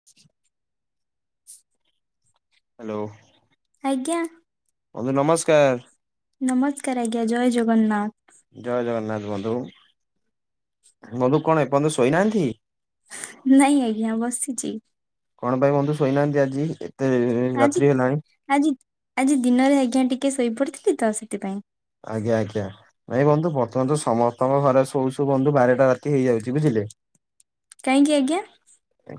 [inaudible] Hello. ଆଜ୍ଞା। Mummy ନମସ୍କାର। ନମସ୍କାର ଆଜ୍ଞା ଜୟ ଜଗନ୍ନାଥ। ଜୟ ଜଗନ୍ନାଥ ବନ୍ଧୁ ବନ୍ଧୁ କଣ ଏପର୍ଯ୍ୟନ୍ତ ଶୋଇନାହାନ୍ତି? ନାଇଁ ଆଜ୍ଞା ବସିଛି। କଣ ପାଇଁ ବନ୍ଧୁ ଶୋଇନାହାନ୍ତି ଆଜି? ଏତେ ଆଜି ରାତ୍ରି ହେଲାଣି ଆଜି ଆଜି ଦିନରେ ଆଜ୍ଞା ଟିକେ ଶୋଇପଡିଥିଲି ତ ସେଥିପାଇଁ ଆଜ୍ଞା ଆଜ୍ଞା। ନାଇଁ ବନ୍ଧୁ ବର୍ତ୍ତମାନ ତ ସମସ୍ତଙ୍କ ଘରେ ଶୋଉ ସୁ ବନ୍ଧୁ ବାରଟା ରାତି ହେଇଯାଉଛି ବୁଝିଲେ। କହିଁକି ଆଜ୍ଞା?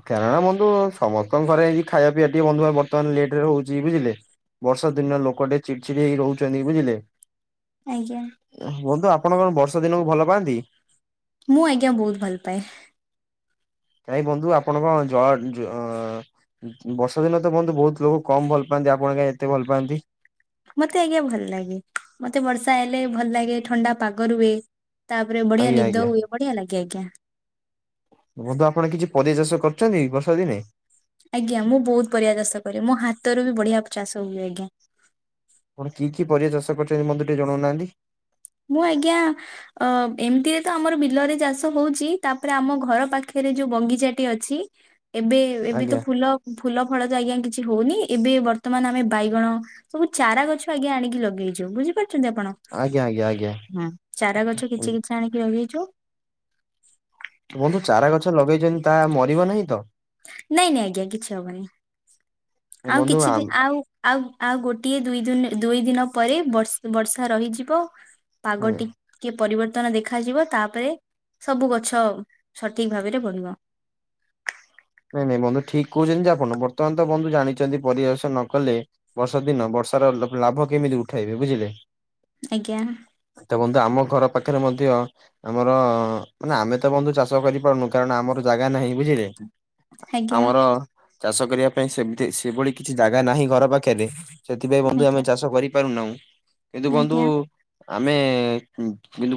କାରଣ ବନ୍ଧୁ ସମସ୍ତଙ୍କ ଘରେ ଏଇ ଖାଇବା ପିଇ ଟିକେ ବନ୍ଧୁ ବର୍ତ୍ତମାନ ଲେଟ ରେ ହଉଛି ବୁଝିଲେ। ବର୍ଷା ଦିନ ଲୋକ ଟେ ଚିଡଚିଡି ହେଇ ରହୁଛନ୍ତି ବୁଝିଲେ। ଆଜ୍ଞା। ବନ୍ଧୁ ଆପଣ କଣ ବର୍ଷ ଦିନକୁ ଭଲ ପାଆନ୍ତି? ମୁଁ ଆଜ୍ଞା ବହୁତ ଭଲ ପାଏ। କାଇଁ ବନ୍ଧୁ ଆପଣଙ୍କ ଜଳ ବର୍ଷା ଦିନ ତ ବଧୁ ବହୁତ ଲୋକ କମ ଭଲ ପାଆନ୍ତି ଆପଣ କାଁ ଏତେ ଭଲ ପାଆନ୍ତି। ମତେ ଆଜ୍ଞା ଭଲ ଲାଗେ ମତେ ବର୍ଷା ହେଲେ ଭଲ ଲାଗେ ଥଣ୍ଡା ପାଗ ରୁହେ। ତାପରେ ବଢିଆ ଆଜ୍ଞା ଆଜ୍ଞା। ନିଦ ହୁଏ ବଢିଆ ଲାଗେ ଆଜ୍ଞା। ବନ୍ଧୁ ଆପଣ କିଛି ପରିବା ଚାଷ କରୁଛନ୍ତି ବର୍ଷା ଦିନେ? ଆଜ୍ଞା ମୁଁ ବହୁତ ପରିବା ଚାଷ କରେ ମୋ ହାତରୁ ବି ବଢିଆ ଚାଷ ହୁଏ ଆଜ୍ଞା ଆପଣ କି କି ପରିବା ଚାଷ କରିଛନ୍ତି ମୋତେ ଟିକେ ଜଣାଉନାହାନ୍ତି? ମୁଁ ଆଜ୍ଞା ଅ ଏମିତିରେ ତ ଆମର ବିଲରେ ଚାଷ ହଉଛି ତାପରେ ଆମ ଘର ପାଖରେ ଯୋଉ ବଗିଚା ଟି ଅଛି ଏବେ ଏବେ ତ ଆଜ୍ଞା ଫୁଲ ଫୁଲ ଫଳ ତ ଆଜ୍ଞା କିଛି ହଉନି ଏବେ ବର୍ତ୍ତମାନ ଆମେ ବାଇଗଣ ସବୁ ଚାରା ଗଛ ଆଜ୍ଞା ଆଣିକି ଲଗେଇଛୁ ବୁଝିପାରୁଛନ୍ତି ଆପଣ? ଆଜ୍ଞା ଆଜ୍ଞା। ଆଜ୍ଞା। ହୁଁ ଚାରା ଗଛ କିଛି କିଛି ଆଣିକି ରଗେଇଛୁ। ବନ୍ଧୁ ଚାରା ଗଛ ଲଗେଇଛନ୍ତି ତା ମରିବ ନାହିଁ ତ? ନାଇଁ ନାଇଁ ଆଜ୍ଞା କିଛି ହବନି ନାଇଁ ଆଉ ବନ୍ଧୁ କିଛି ଆମ୍ ଆଉ ଆଉ ଆଉ ଗୋଟିଏ ଦୁଇ ଦିନ ଦୁଇ ଦିନ ପରେ ବର୍ଷା ରହିଯିବ। ଆଜ୍ଞା। ପାଗଟି କିଏ ପରିବର୍ତ୍ତନ ଦେଖାଯିବ ତାପରେ ସବୁ ଗଛ ସଠିକ ଭାବରେ ବଢିବ। ନାଇଁ ନାଇଁ ବନ୍ଧୁ ଠିକ କହୁଛନ୍ତି ଯେ ଆପଣ ବର୍ତ୍ତମାନ ତ ବନ୍ଧୁ ଜାଣିଛନ୍ତି ପରିବେଶ ନ କଲେ ବର୍ଷା ଦିନ ବର୍ଷାର ଲାଭ କେମିତି ଉଠାଇବେ ବୁଝିଲେ। ଆଜ୍ଞା। ଦେଖନ୍ତୁ ଆମ ଘର ପାଖରେ ମଧ୍ୟ ଆମର ମାନେ ଆମେ ତ ବନ୍ଧୁ ଚାଷ କରିପାରୁନୁ କାରଣ ଆମର ଜାଗା ନାହିଁ ବୁଝିଲେ। ଆଜ୍ଞା ଆମର ଚାଷ କରିବା ପାଇଁ ସେମିତି ସେଭଳି କିଛି ଜାଗା ନାହିଁ ଘର ପାଖରେ। ସେଥିପାଇଁ ବନ୍ଧୁ ଆଜ୍ଞା ଆମେ ଚାଷ କରି ପାରୁନାହୁଁ। କିନ୍ତୁ ବନ୍ଧୁ ଆଜ୍ଞା ଆମେ କିନ୍ତୁ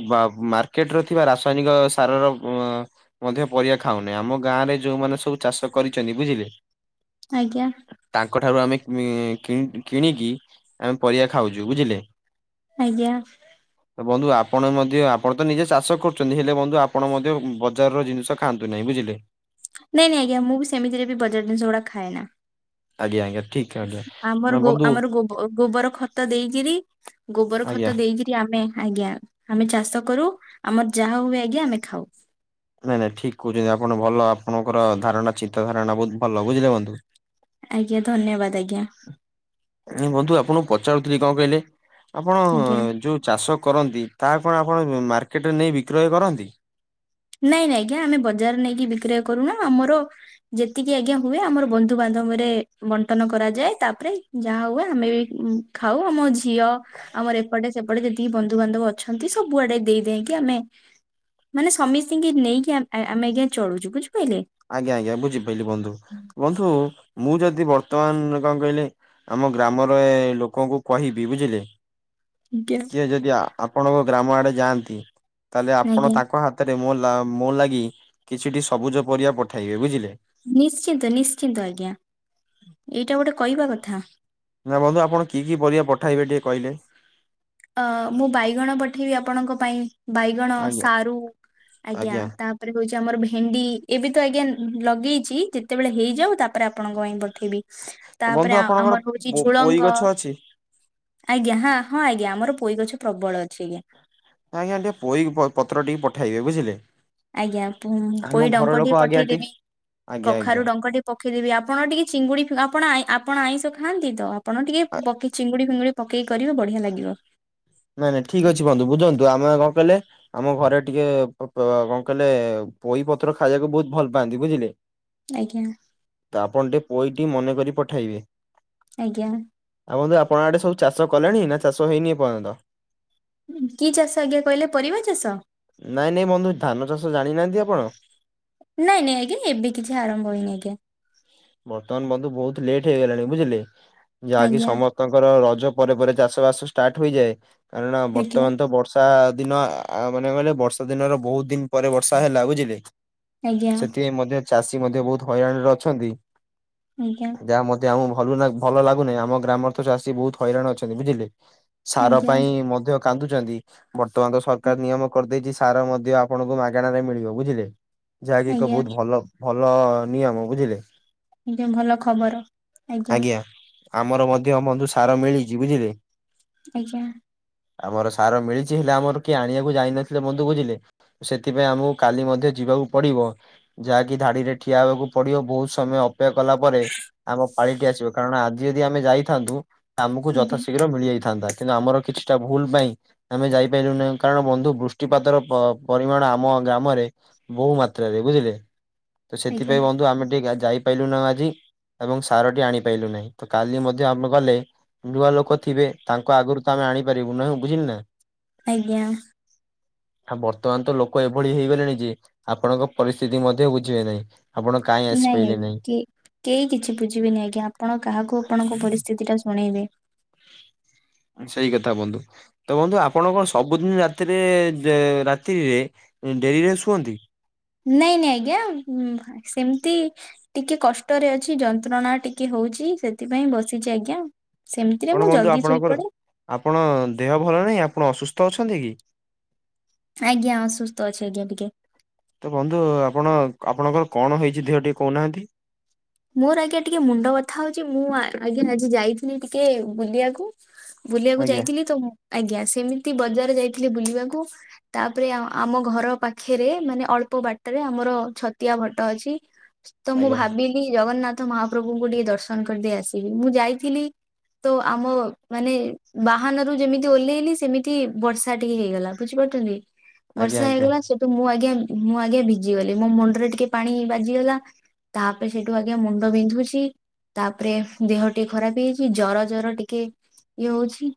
ମାର୍କେଟ ର ଥିବା ରାସାୟନିକ ସାରର ମଧ୍ୟ ପରିବା ଖାଉନେହିଁ। ଆମ ଗାଁରେ ଯୋଉଁମାନେ ସବୁ ଚାଷ କରିଛନ୍ତି ବୁଝିଲେ। ଆଜ୍ଞା। ତାଙ୍କଠାରୁ ଆମେ କି-କିଣିକି ଆମେ ପରିବା ଖାଉଛୁ ବୁଝିଲେ। ଆଜ୍ଞା। ବନ୍ଧୁ ଆପଣ ମଧ୍ୟ ଆପଣ ତ ନିଜେ ଚାଷ କରୁଛନ୍ତି। ହେଲେ ବନ୍ଧୁ ଆପଣ ମଧ୍ୟ ବଜାରର ଜିନିଷ ଖାଆନ୍ତୁ ନାହିଁ ବୁଝିଲେ। ନାଇଁ ନାଇଁ ଆଜ୍ଞା ମୁଁ ବି ସେମତିରେ ବି ବଜାର ଜିନିଷ ଗୁଡା ଖାଏ ନା। ଆଜ୍ଞା ଆଜ୍ଞା ଠିକ୍। ଆମରୋ ଆମର ଗୋବ ଗୋବର ଖତ ଦେଇକିରି ଗୋବର ଆଜ୍ଞା ଖତ ଦେଇକିରି ଆମେ ଆଜ୍ଞା। ଆମେ ଚାଷ କରୁ। ଆମର ଯାହା ହୁଏ ଆଜ୍ଞା ଆମେ ଖାଉ। ନାଇଁ ନାଇଁ ଠିକ୍ କହୁଛନ୍ତି। ଆପଣ ଭଲ ଆପଣଙ୍କର ଧାରଣା ଚିନ୍ତା ଧାରଣା ବହୁତ ଭଲ ବୁଝିଲେ ବନ୍ଧୁ। ଆଜ୍ଞା ଧନ୍ୟବାଦ ଆଜ୍ଞା। [unintelligible] ବନ୍ଧୁ ଆପଣଙ୍କୁ ପଚାରୁଥିଲି କଣ କହିଲେ ଆପଣ ଆଜ୍ଞା। ଯୋଉ ଚାଷ କରନ୍ତି ତାହା କଣ ଆପଣ ମାର୍କେଟରେ ନେଇ ବିକ୍ରୟ କରନ୍ତି। ନାଇଁ ନାଇଁ ଆଜ୍ଞା ଆମେ ବଜାର ନେଇକି ବିକ୍ରୟ କରୁନୁ। ଆମର ଯେତିକି ଆଜ୍ଞା ହୁଏ ଆମର ବନ୍ଧୁବାନ୍ଧବରେ ବଣ୍ଟନ କରାଯାଏ। ତାପରେ ଯାହା ହୁଏ ଆମେ ବି ଖାଉ ଆମ ଝିଅ ଆମର ଏପଟେ ସେପଟେ ଯେ ବନ୍ଧୁବାନ୍ଧବ ଅଛନ୍ତି ସବୁଆଡେ ଦେଇଦେଇଁକି ଆମେ ମାନେ ସମୀ ଙ୍ଗେ ନେଇକି ଆ ଆମେ ଆଜ୍ଞା ଚଳୁଛୁ ବୁଝିପାରିଲେ। ଆଜ୍ଞା ଆଜ୍ଞା ବୁଝିପାରିଲି ବନ୍ଧୁ। ବନ୍ଧୁ ମୁଁ ଯଦି ବର୍ତ୍ତମାନ କଣ କହିଲେ ଆମ ଗ୍ରାମରେ ଏ ଲୋକଙ୍କୁ କହିବି ବୁଝିଲେ। ଆଜ୍ଞା କିଏ ଯଦି ଆପଣଙ୍କ ଗ୍ରାମ ଆଡେ ଯାଆନ୍ତି। ତାହେଲେ ଆପଣ ଆଜ୍ଞା ତାଙ୍କ ହାତ ରେ ମୋ ଲାଗି କିଛିଟି ସବୁଜ ପରିବା ପଠାଇବେ ବୁଝିଲେ। ନିଶ୍ଚିନ୍ତ ନିଶ୍ଚିନ୍ତ ଆଜ୍ଞା। ଏଇଟା ଗୋଟେ କହିବା କଥା। ନା ବନ୍ଧୁ ଆପଣ କି କି ପରିବା ପଠାଇବେ ଟିକେ କହିଲେ? ଅ ମୁଁ ବାଇଗଣ ପଠେଇବି ଆପଣଙ୍କ ପାଇଁ। ବାଇଗଣ ଆଜ୍ଞା ସାରୁ ଆଜ୍ଞା। ତା ତାପରେ ହଉଛି ଆମର ଭେଣ୍ଡି ଏବେ ତ ଆଜ୍ଞା ଲଗେଇଛି। ଯେତେବେଳେ ହେଇଯାଉ ତାପରେ ଆପଣଙ୍କ ପାଇଁ ପଠେଇବି। ତାପରେ ବନ୍ଧୁ ଆ ଆପଣଙ୍କର ଆମର ହଉଛି ପୋଇ ଝୁଳଙ୍ଗ ଗଛ ଅଛି ଆଜ୍ଞା ହଁ ହଁ ଆଜ୍ଞା ଆମର ପୋଇ ଗଛ ପ୍ରବଳ ଅଛି ଆଜ୍ଞା। ଆଜ୍ଞା ଟିକେ ପୋଇ ପତ୍ର ଟିକେ ପଠାଇବେ ବୁଝିଲେ। ଆଜ୍ଞା ଆମ ପୋଇ ଘର ଡଙ୍କ ଲୋକ ଟିକେ ଆଜ୍ଞା ଟି ପଠେଇଦେବି। ଆଜ୍ଞା ଆଜ୍ଞା କଖାରୁ ଡଙ୍କ ଟିକେ ପଖେଇଦେବି ଆପଣ ଟିକେ ଚିଙ୍ଗୁଡି ଆପଣ ଆପଣ ଆଇଁଷ ଖାଆନ୍ତି ତ। ଆପଣ ଟିକେ ପକେଇ ଚିଙ୍ଗୁଡି ଫିଙ୍ଗୁଡି ପକେଇକି କରିବ ବଢିଆ ଲାଗିବ। ନାଇଁ ନାଇଁ ଠିକ୍ ଅଛି ବୁନ୍ଧୁ। ବୁଝନ୍ତୁ ଆମେ କଣ କହିଲେ ଆମ ଘରେ ଟିକେ କଣ କହିଲେ ପୋଇ ପତ୍ର ଖାଇବାକୁ ବହୁତ ଭଲ ପାଆନ୍ତି ବୁଝିଲେ। ଆଜ୍ଞା। ତ ଆପଣ ଟିକେ ପୋଇଟି ମନେକରି ପଠେଇବେ। ଆଜ୍ଞା। ଆଉ ବନ୍ଧୁ ଆପଣ ଆଡେ ସବୁ ଚାଷ କଲେଣି। ନା ଚାଷ ହେଇନି ଏ ପର୍ଯ୍ୟନ୍ତ। କି ଚାଷ ଆଜ୍ଞା କହିଲେ? ପରିବା ଚାଷ। ନାଇଁ ନାଇଁ ବନ୍ଧୁ ଧାନ ଚାଷ ଜାଣିନାହାନ୍ତି ଆପଣ। ନାଇଁ ନାଇଁ ଆଜ୍ଞା ଏବେ କିଛି ଆରମ୍ଭ ହେଇନି ଆଜ୍ଞା। ବର୍ତ୍ତମାନ ବନ୍ଧୁ ବହୁତ ଲେଟ୍ ହେଇଗଲାଣି ବୁଝିଲେ। ଯାହାକି ଆଜ୍ଞା ସମ ସ୍ତଙ୍କର ରଜ ପରେ ପରେ ଚାଷ ବାସ ଷ୍ଟାର୍ଟ ହୋଇଯାଏ। କାରଣ ଆଜ୍ଞା ବର୍ତ୍ତମାନ ତ ବର୍ଷ ବର୍ଷା ଦିନ ମାନେ କହିଲେ ବର୍ଷା ଦିନର ବହୁତ ଦିନି ପରେ ବର୍ଷା ହେଲା ବୁଝିଲେ। ଆଜ୍ଞା ସେଥିପାଇଁ ମଧ୍ୟ ଚାଷୀ ମଧ୍ୟ ବହୁତ ହଇରାଣରେ ଅଛନ୍ତି। ଆଜ୍ଞା। ଯା ମଧ୍ୟ ଆମକୁ ଭ ଭଲ ଲାଗୁନାହିଁ। ଆମ ଗ୍ରାମରେ ତ ଚାଷୀ ବହୁତ ହଇରାଣ ଅଛନ୍ତି ବୁଝିଲେ। ସାର ଆଜ୍ଞା ପାଇଁ ମଧ୍ୟ କାନ୍ଦୁଛନ୍ତି। ବର୍ତ୍ତମାନ ତ ସରକାର ନିୟମ କରିଦେଇଛି ସାର ମଧ୍ୟ ଆପଣଙ୍କୁ ମାଗଣାରେ ମିଳିବ ବୁଝିଲେ। ଯାହାକି ଏକ ଆଜ୍ଞା ବହୁତ ଭଲ ଭଲ ନିୟମ ବୁଝିଲେ। ଟିକେ ଭଲ ଖବର ଆଜ୍ଞା ଆମର ମଧ୍ୟ ବନ୍ଧୁ ସାର ମିଳିଛି ବୁଝିଲେ। ଆଜ୍ଞା। ଆମର ସାର ମିଳିଛି ହେଲେ ଆମର କିଏ ଆଣିବାକୁ ଯାଇନଥିଲେ ବନ୍ଧୁ ବୁଝିଲେ। ସେଥିପାଇଁ ଆମକୁ କାଲି ମଧ୍ୟ ଯିବାକୁ ପଡିବ। ଯାହାକି ଧାଡିରେ ଠିଆ ହେବାକୁ ପଡିବ ବହୁତ ସମୟ ଅ ଅପେକ୍ଷା କଲା ପରେ ଆମ ପାଳିଟି ଆସିବ କାରଣ ଆଜି ଯଦି ଆମେ ଯାଇଥାନ୍ତୁ ଆମକୁ ଆଜ୍ଞା ଯଥାଶୀଘ୍ର ମିଳିଯାଇଥାନ୍ତା କିନ୍ତୁ ଆମର କିଛିଟା ଭୁଲ ପାଇଁ ଆମେ ଯାଇପାରିଲୁ ନାହିଁ କାରଣ ବନ୍ଧୁ ବୃଷ୍ଟିପାତର ପରିମାଣ ଆମ ଗ୍ରାମରେ ବୋହୁ ମାତ୍ରାରେ ବୁଝିଲେ ତ ଆଜ୍ଞା ସେଥିପାଇଁ ବନ୍ଧୁ ଆମେ ଟିକେ ଯାଇ ପାଇଲୁ ନାଁ ଆଜି ଏବଂ ସାରଟି ଆଣିପାଇଲୁ ନାହିଁ ତ କାଲି ମଧ୍ୟ ଆମେ ଗଲେ ନୂଆ ଲୋକ ଥିବେ ତାଙ୍କ ଆଗରୁ ତ ଆମେ ଆଣିପାରିବୁ ନାହିଁ ବୁଝିଲେ ନା। ଆଜ୍ଞା। ବର୍ତ୍ତମାନ ତ ଲୋକ ଏଭଳି ହେଇଗଲେଣି ଯେ ଆପଣଙ୍କ ପରିସ୍ଥିତି ମଧ୍ୟ ବୁଝିବେ ନାହିଁ ଆପଣ କାଇଁ ଆସି ନାଇଁ ଆଜ୍ଞା ପାଇଲେନାହିଁ କି କେହି କିଛି ବୁଝିବେନି ଆଜ୍ଞା ଆପଣ କାହାକୁ ଆପଣଙ୍କ ପରିସ୍ଥିତି ଟା ଶୁଣେଇବେ। ସେଇ କଥା ବନ୍ଧୁ ତ ବନ୍ଧୁ ଆପଣ କଣ ସବୁ ସବୁଦିନ ରାତିରେ ରାତିରେ ଡେରିରେ ଶୁଅନ୍ତି? ନାଇଁ ନାଇଁ ଆଜ୍ଞା ସେମିତି ଟିକେ କଷ୍ଟରେ ଅଛି ଯନ୍ତ୍ରଣା ଟିକେ ହଉଛି ସେଥିପାଇଁ ବସିଛି ଆଜ୍ଞା। ସେମିତିରେ କଣ ମୁଁ ବନ୍ଧୁ ଜଲଦି ଆପଣଙ୍କର ଶୋଇପଡେ ଆପଣ ଦେହ ଭଲ ନାହିଁ ଆପଣ ଅସୁସ୍ଥ ଅଛନ୍ତି କି? ଆଜ୍ଞା ଅସୁସ୍ଥ ଅଛି ଆଜ୍ଞା ଟିକେ। ତ, ବନ୍ଧୁ ଆପଣ, ଆପଣଙ୍କର କଣ ହେଇଛି ଦେହ ଟିକେ କହୁନାହାଁନ୍ତି। ମୋର ଆଜ୍ଞା ଟିକେ ମୁଣ୍ଡ ବଥା ହଉଛି ମୁଁ ଆଜ୍ଞ ଆଜି ଯାଇଥିଲି ଟିକେ ବୁଲିଆକୁ। ବୁଲିବାକୁ ଆଜ୍ଞା। ଯାଇଥିଲି ତ, ଆଜ୍ଞା ସେମିତି ବଜାର ଯାଇଥିଲି ବୁଲିବାକୁ। ତାପରେ ଆମ ଘର ପାଖରେ ମାନେ ଅଳ୍ପ ବାଟରେ ଆମର ଛତିଆ ବଟ ଅଛି। ତ ମୁଁ ଆଜ୍ଞା ଭାବିଲି ଜଗନ୍ନାଥ ମହାପ୍ରଭୁଙ୍କୁ ଟିକେ ଦର୍ଶନ କରିଦେଇ ଆସିବି ମୁଁ ଯାଇଥିଲି ତ ଆମ ମାନେ ବାହାନରୁ ଯେମିତି ଓହ୍ଲେଇଲି ସେମିତି ବର୍ଷା ଟିକେ ହେଇଗଲା। ବୁଝିପାରୁଛନ୍ତି ଆଜ୍ଞା ବର୍ଷା ଆଜ୍ଞା ହେଇଗଲା ସବୁ ମୁଁ ଆଜ୍ଞା, ମୁଁ ଆଜ୍ଞା, ଭିଜିଗଲି ମୋ ମୁଣ୍ଡରେ ଟିକେ ପାଣି ବାଜିଗଲା ତା ସେଇଠୁ ଆଜ୍ଞା ମୁଣ୍ଡ ବିନ୍ଧୁଛି ତାପରେ ଦେହ ଟିକେ ଖରାପ ହେଇଯାଇଛି ଜର ଜର ଟିକେ ଇଏ ହଉଛି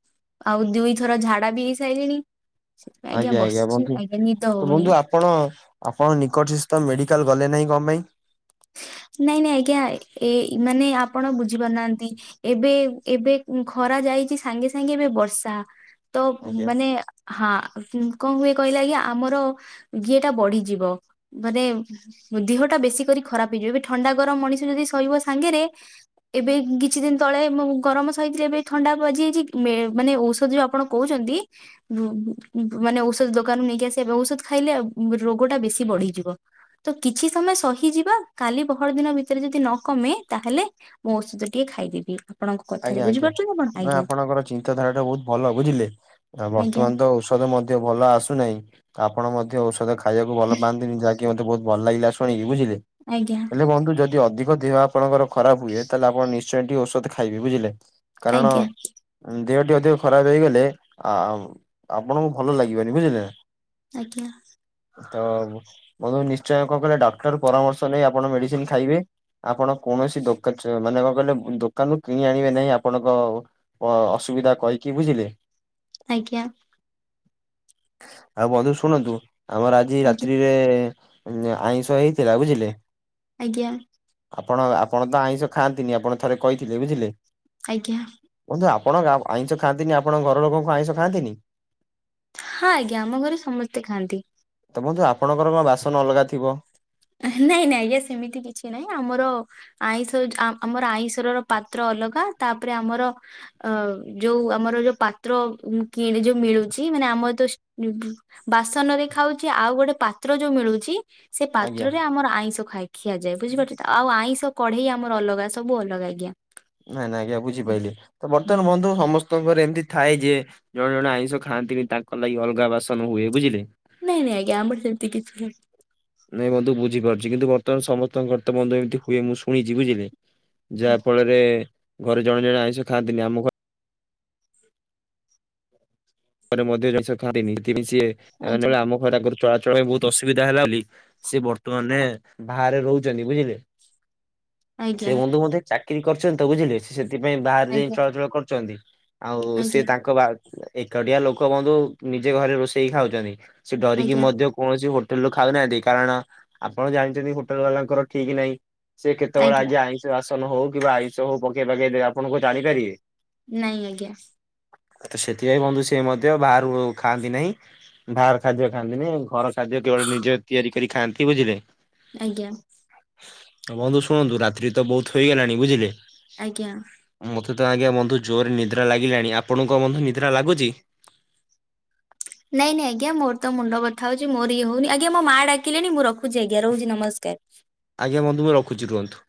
ଆଉ ଦୁଇଥର ଝାଡା ବି ହେଇସାଇଲିଣି। ସେଥିପାଇଁ ଆଜ୍ଞା ବସିଛି ଆଜ୍ଞା ନିଦ ତ ହଉନି। ବନ୍ଧୁ ଆପଣ ଆପଣ ନିକଟସ୍ଥ ମେଡିକାଲ ଗଲେ ନାହିଁ କଣ ପାଇଁ? ନାଇଁ ନାଇଁ ଆଜ୍ଞା ଏ ମାନେ ଆପଣ ବୁଝିପାରୁନାହାନ୍ତି। ଏବେ ଏବେ ଖରା ଯାଇଛି ସାଙ୍ଗେ ସାଙ୍ଗେ ଏବେ ବର୍ଷା ତ ଆଜ୍ଞା। ମାନେ ହଁ କଣ ହୁଏ କହିଲେ ଆଜ୍ଞା ଆମର ଇଏ ଟା ବଢିଯିବ ମାନେ ଦେହଟା ବେଶୀ କରି ଖରାପ ହେଇଯିବ ଏବେ ଥଣ୍ଡା ଗରମ ମଣିଷ ଯଦି ସହିବ ସାଙ୍ଗରେ ଏବେ କିଛି ଦିନ ତଳେ ଗରମ ସହିଥିଲେ ଏବେ ଥଣ୍ଡା ବାଜିଯାଇଛି ମାନେ ଔଷଧ ଯୋଉ ଆପଣ କହୁଛନ୍ତି ମାନେ ଔଷଧ ଦୋକାନରୁ ନେଇକି ଆସିବା ଔଷଧ ଖାଇଲେ ରୋଗ ଟା ବେଶୀ ବଢିଯିବ ତ କିଛି ସମୟ ସହିଯିବା କାଲି ପହର ଦିନ ଭିତରେ ଯଦି ନ କମେ ତାହେଲେ ମୁଁ ଔଷଧ ଟିଏ ଖାଇଦେବି। ଆପଣଙ୍କ କଥାରେ ଆଜ୍ଞା, ଆଜ୍ଞା ବୁଝିପାରୁଛନ୍ତି ଆପଣ ନା ଆଜ୍ଞା ଆପଣଙ୍କର ଚିନ୍ତାଧାରା ଟା ବହୁତ ଭଲ ବୁଝିଲେ, ଆଜ୍ଞା ବର୍ତ୍ତମାନ ତ ଔଷଧ ଔଷଧ ମଧ୍ୟ ଭଲ ଆସୁନାହିଁ ଆପଣ ମଧ୍ୟ ଔଷଧ ଖାଇବାକୁ ଭଲ ପାଆନ୍ତିନି ଯାକି କି ମତେ ବହୁତ ଭଲ ଲାଗିଲା ଶୁଣିକି, ବୁଝିଲେ। ଆଜ୍ଞା। ହେଲେ ବନ୍ଧୁ ଯଦି ଅଧିକ ଦେହ ଆପଣଙ୍କର ଖରାପ ହୁଏ ତାହେଲେ ଆପଣ ନିଶ୍ଚୟ ଟିକେ ଔଷଧ ଖାଇବେ ବୁଝିଲେ, କାରଣ ଆଜ୍ଞା ଦେହଟି ଅଧିକ ଖରାପ ହେଇଗଲେ ଆଉ ଆପଣଙ୍କୁ ଭଲ ଲାଗିବନି ବୁଝିଲେ ଆଜ୍ଞା ତ ବନ୍ଧୁ ନିଶ୍ଚୟ କଣ କହିଲ ଡ ପରାମର୍ଶ ନେଇ ଆପଣ ମେଡିସିନ ଖାଇବେ ଆପଣ କୌଣସି ଦୋକା ଚ ମାନେ କଣ କହିଲେ ଦୋ କାନରୁ କିଣି ଆଣିବେ ନାହିଁ ଆପଣଙ୍କ ଅସୁବିଧା କହିକି ବୁଝିଲେ। ଆଜ୍ଞା। ଆଉ ବନ୍ଧୁ ଶୁଣନ୍ତୁ, ଆମର ଆଜି ଆଜ୍ଞା ରାତ୍ରିରେ ଆଇଁଷ ହେଇଥିଲା ବୁଝିଲେ। ଆଜ୍ଞା, ଆପଣ, ଆପଣ ତ ଆଇଁଷ ଖାଆନ୍ତିନି ଆପଣ ଥରେ କହିଥିଲେ ବୁଝିଲେ, ଆଜ୍ଞା, ବନ୍ଧୁ ଆପଣ ଆଇଁଷ ଖାଆନ୍ତିନି ଆପଣଙ୍କ ଘରଲୋକ କଣ ଆଇଁଷ ଖାଆନ୍ତିନି? ହଁ, ଆଜ୍ଞା, ଆମ ଘରେ ସମସ୍ତେ ଖାଆନ୍ତି। ତ, ବନ୍ଧୁ ଆପଣଙ୍କର କଣ ବାସନ ଅଲଗାଥିବ। ନାଇଁ, ନାଇଁ, ଆଜ୍ଞା ସେମିତି କିଛି ନାଇଁ ଆମର ଆଇଁଷ ଯୋଉ ଆମର ଆଇଁଷରର ପାତ୍ର ଅଲଗା ତାପରେ ଆମର ଅ ଯୋଉ ଆମର ଯୋଉ ପାତ୍ର କିଣି ଯୋଉ ମିଳୁଛି ମାନେ ଆମର ତ ଷ୍ ବାସନରେ ଖାଉଛି ଆଉ ଗୋଟେ ପାତ୍ରଯୋଉ ମିଳୁଛି ସେ ପାତ୍ର ଆଜ୍ଞା। ତ୍ରରେ ଆମର ଆଇଁଷ ଖାଇ ଖିଆଯାଏ ବୁଝିପାରୁଛ ତ ଆଉ ଆଇଁଷ କଢେଇ ଆମର ଅଲଗା ସବୁ ଅଲଗା ଆଜ୍ଞା, ନାଇଁ ନାଇଁ ଆଜ୍ଞା, ବୁଝିପାଇଲିି ତ ବର୍ତ୍ତମାନ ହୁଁ। ବନ୍ଧୁ ସମସ୍ତେ ଲୋକଙ୍କର ଏମିତି ଥାଏ ଯେ ଜଣେ ଜଣେ ଆଇଁଷ ଖାଆନ୍ତିବି ତାଙ୍କ ଲାଗି ଅଲଗା ବାସନ ହୁଏ ବୁଝିଲେ। ନାଇଁ, ନାଇଁ, ଆଜ୍ଞା ଆମର ସେମତି କିଛି ନାହିଁ। ନାଇଁବନ୍ଧୁ ବୁଝିପାରୁଛି କିନ୍ତୁ ବର୍ତ୍ତମାନ ସମସ୍ତଙ୍କର ତ ବନ୍ଧୁ ଏମିତି ହୁଏ ମୁଁ ଶୁଣିଛି ବୁଝିଲେ, ଯାହା ଫଳରେ ଘରେ ଜଣେ ଜଣେ ଆଇଁଷ ଖାଆନ୍ତିନି ଆମ ଘରେ ମଧ୍ୟ ଆମିଷ ଖାଆନ୍ତିନି [unintelligible] ଆଜ୍ଞା ଭଡ଼ା ଘର ଚଳାଚଳ ପାଇଁ ବହୁତ ଅସୁବିଧା ହେଲା ବୋଲି ସିଏ ବର୍ତ୍ତମାନେ ବାହାରେ ରହୁଛନ୍ତି ବୁଝିଲେ। [inaudible] ସେ ବନ୍ଧୁ ମଧ୍ୟ ଚାକିରି କରିଛନ୍ତି ତ ବୁଝିଲେ। ସେଥିପାଇଁ ବାହାରେ ଯାଇ ଆଜ୍ଞା ଚଳାଚଳ କରୁଛନ୍ତି ଆଉ ସେ ଆଜ୍ଞା ତାଙ୍କ ବା ଏକୁଟିୟା ଲୋକ ବନ୍ଧୁ ନିଜେ ଘରେ ରୋଷେଇ ଖାଉଛନ୍ତି ସେ ଡରିକି ଆଜ୍ଞା ମଧ୍ୟ କୌଣସି ହୋଟେଲ ରୁ ଖାଉନାହାନ୍ତି କାରଣ ଆପଣ ଜାଣିଛନ୍ତି ହୋଟେଲ ବାଲାଙ୍କର ଠିକି ନାହିଁ। ସେ କେତେବେଳେ ଆଜ୍ଞା ଆଇଁଷ ବାସନ ହଉ କିମ୍ବା ଆଇଁଷ ହଉ ପକେଇ ପକାଇ ଦେବେ ଆପଣ କଣ ଜାଣିପାରିବେ? ନାଇଁ ଆଜ୍ଞା। ତ ସେଥିପାଇଁ ବନ୍ଧୁ ସିଏ ମଧ୍ୟ ବାହାରୁ ଖାଆନ୍ତି ନାହିଁ। ବାହାର ଖାଦ୍ୟ ଖାଆନ୍ତିନି ଘର ଖାଦ୍ୟ କେବଳ ନିଜେ ତିଆରି କରି ଖାଆନ୍ତି ବୁଝିଲେ, ଆଜ୍ଞା, ତ, ବନ୍ଧୁ ଶୁଣନ୍ତୁ ରାତ୍ରି ତ ବହୁତ ହୋଇଗଲାଣି ବୁଝିଲେ, ଆଜ୍ଞା, ମତେ ତ ଆଜ୍ଞା ବନ୍ଧୁ ଜୋରରେ ନିଦ୍ରା ଲାଗିଲାଣି ଆପଣଙ୍କୁ ବନ୍ଧୁ ନିଦ୍ରା ଲାଗୁଛି। ନାଇଁ, ନାଇଁ, ଆଜ୍ଞା, ମୋରତ ମୁଣ୍ଡ ବଥା ହଉଛି ମୋ ଇଏ ହଉନି, ଆଜ୍ଞା ମୋ ମା, ଡାକିଲେଣି ମୁଁ ରଖୁ ଖୁଛି ଆଜ୍ଞା ରହୁଛି ନମସ୍କାର। ଆଜ୍ଞା, ବନ୍ଧୁ ମୁଁ ରଖୁଛି ରୁହନ୍ତୁ।